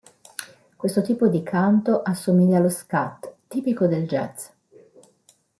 Questo tipo di canto assomiglia allo scat tipico del jazz.